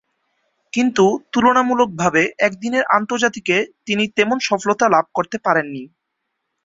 কিন্তু তুলনামূলকভাবে একদিনের আন্তর্জাতিকে তিনি তেমন সফলতা লাভ করতে পারেননি।